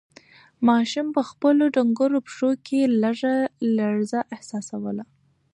ماشوم په خپلو ډنگرو پښو کې لږه لړزه احساسوله.